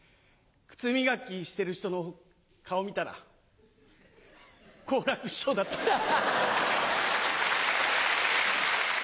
靴磨きしてる人の顔見たら好楽師匠だったんです。